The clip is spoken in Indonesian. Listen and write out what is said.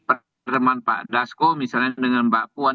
pertemuan pak dasko misalnya dengan mbak puan